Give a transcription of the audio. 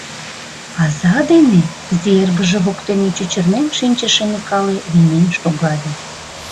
— Аза дене?! — изи эргыже воктене чӱчырнен шинчыше Микале вийнен шогале.